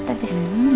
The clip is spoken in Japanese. うん。